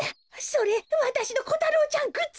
それわたしのこたろうちゃんグッズよ。